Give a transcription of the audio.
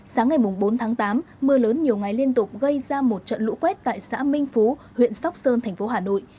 sáng ngày bốn tháng tám mưa lớn nhiều ngày liên tục gây ra một trận lũ quét tại xã minh phú huyện sóc sơn thành phố hà nội